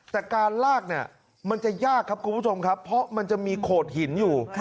แต่การลากเนี่ยมันจะยากครับคุณผู้ชมครับเพราะมันจะมีโขดหินอยู่